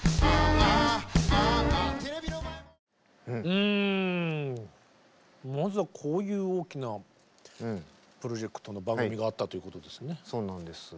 うんまずはこういう大きなプロジェクトの番組があったということですね。